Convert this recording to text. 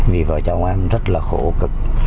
vì vợ chồng em rất là khổ cực